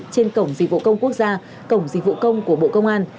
trên cổng dịch vụ công quốc gia cổng dịch vụ công của bộ công an